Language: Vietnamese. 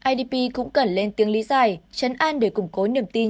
idp cũng cần lên tiếng lý giải chấn an để củng cố niềm tin